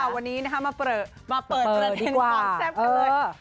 วันนี้เรามาเปิดต่อเองคอร์เซพแล้วเลย